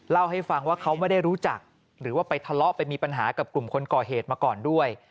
เล่าให้ฟังว่าเขาไม่ได้รู้จักหรือว่าไปทะเลาะไปมีปัญหากับกลุ่มคนก่อเหตุมาก่อนด้วย